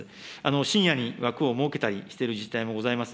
深夜に枠を設けたりしている自治体もございます。